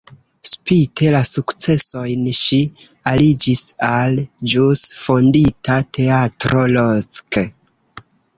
Spite la sukcesojn ŝi aliĝis al ĵus fondita "Teatro Rock".